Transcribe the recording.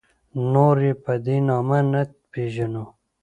نور یې په دې نامه نه پېژنو.